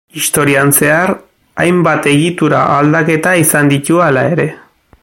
Historian zehar hainbat egitura aldaketa izan ditu hala ere.